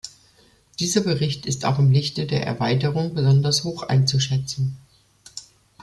Dieser Bericht ist auch im Lichte der Erweiterung besonders hoch einzuschätzen.